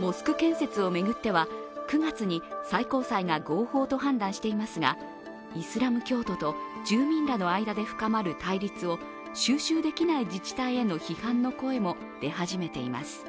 モスク建設を巡っては９月に最高裁が合法と判断していますがイスラム教徒と住民らの間で深まる対立を収拾できない自治体への批判の声も出始めています。